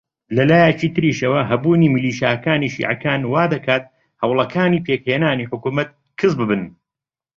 لە لایەکی تریشەوە هەبوونی میلیشیاکانی شیعەکان وا دەکات هەوڵەکانی پێکهێنانی حکوومەت کز ببن